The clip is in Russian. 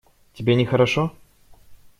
Тебе нехорошо?